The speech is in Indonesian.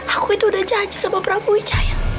aku itu udah janji sama prabowo wijaya